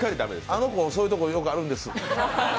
あの子、そういうとこよくあるんです。